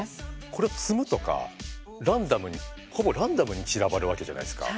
これを積むとかランダムにほぼランダムに散らばるわけじゃないですか。